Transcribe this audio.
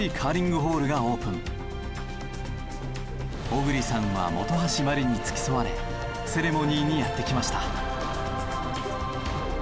小栗さんは本橋麻里に付き添われセレモニーにやって来ました。